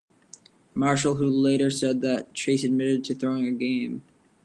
Marshall, who later said that Chase admitted to throwing a game.